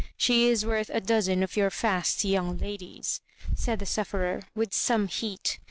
She is worth a dozen of your fast young ladies." said the sufferer, with some heat.